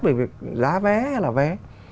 rồi giá vé hay là vé